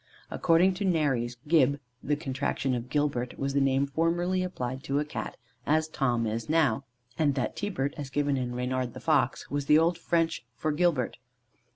According to Nares, Gib, the contraction of Gilbert, was the name formerly applied to a Cat, as Tom is now, and that Tibert, as given in Reynard the Fox, was the old French for Gilbert.